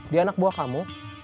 dia anak buah kamu